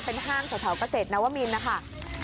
เป็นห้างสาวแถวกเกษตรล่ะว่ามินน่าว่าบินนะคะ